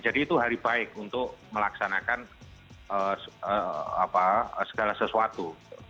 jadi itu hari baik untuk melaksanakan segala sesuatu